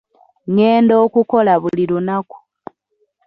Ngenda okukola buli lunaku.